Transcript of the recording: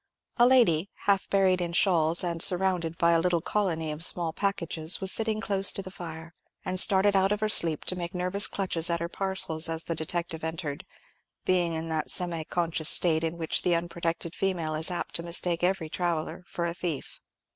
A lady, half buried in shawls, and surrounded by a little colony of small packages, was sitting close to the fire, and started out of her sleep to make nervous clutches at her parcels as the detective entered, being in that semi conscious state in which the unprotected female is apt to mistake every traveller for a thief.